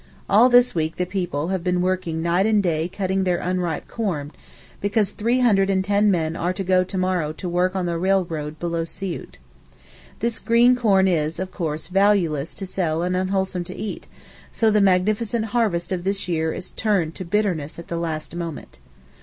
All this week the people have been working night and day cutting their unripe corn, because three hundred and ten men are to go to morrow to work on the railroad below Siout. This green corn is, of course, valueless to sell and unwholesome to eat; so the magnificent harvest of this year is turned to bitterness at the last moment.